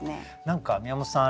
何か宮本さん